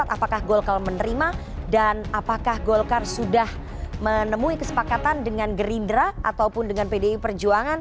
apakah golkar menerima dan apakah golkar sudah menemui kesepakatan dengan gerindra ataupun dengan pdi perjuangan